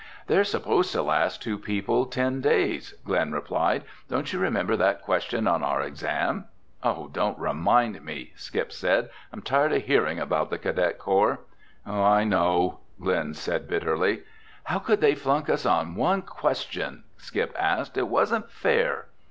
"They're supposed to last two people ten days," Glen replied. "Don't you remember that question on our exam?" "Don't remind me!" Skip said. "I'm tired of hearing about the cadet corps." "I know," Glen said bitterly. "How could they flunk us on one question?" Skip asked. "It wasn't fair."